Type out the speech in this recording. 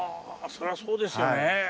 そりゃそうですよね。